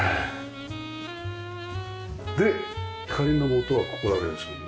で光のもとはここだけですよね？